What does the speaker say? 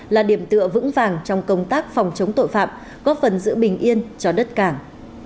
là điểm tựa vững vàng trong công tác phòng chống tội phạm góp phần giữ bình yên cho đất cảng